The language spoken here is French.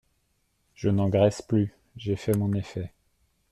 Je n’engraisse plus… j’ai fait mon effet.